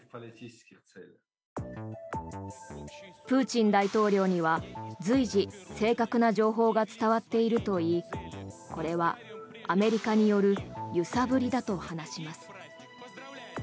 プーチン大統領には随時、正確な情報が伝わっているといいこれはアメリカによる揺さぶりだと話します。